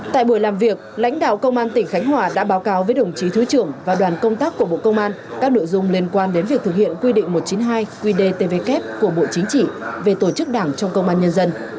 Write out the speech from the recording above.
tại buổi làm việc lãnh đạo công an tỉnh khánh hòa đã báo cáo với đồng chí thứ trưởng và đoàn công tác của bộ công an các nội dung liên quan đến việc thực hiện quy định một trăm chín mươi hai qdtvk của bộ chính trị về tổ chức đảng trong công an nhân dân